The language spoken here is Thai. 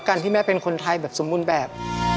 การที่แม่เป็นคนไทยแบบสมมุติแบบ